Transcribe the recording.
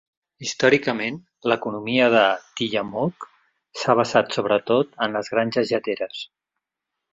Històricament, l'economia de Tillamook s'ha basat sobretot en les granges lleteres.